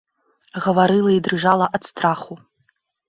Гаварыла і дрыжала ад страху.